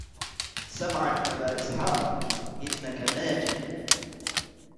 سمعا أبا إسحق إنك ماجد